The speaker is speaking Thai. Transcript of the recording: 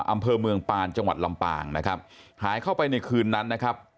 อำเภอเมืองปานจังหวัดลำปางนะครับหายเข้าไปในคืนนั้นนะครับ